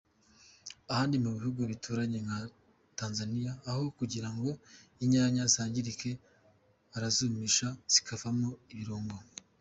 Ahandi mu bihugu duturanye nka Tanzania aho kugira ngo inyanya zangirike barazumisha zigakorwamo ibirungo.